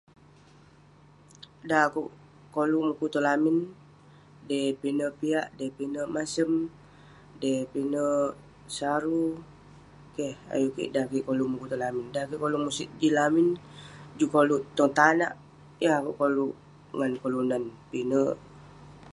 Dan akuek koluk mukuk tong lamin dey pinek piak dey pinek masem dey pinek saru keh ayuk Kik dan lalek mukuk tai lamin yeng kalouk musik lamin, koluk tong tanak yeng koluk ngan ireh kelunan pinek